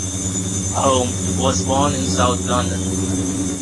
Home was born in South London.